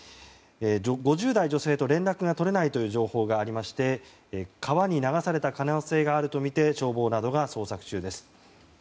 ５０代女性と連絡が取れないという情報がありまして川に流された可能性があるとみて消防などが捜索中です。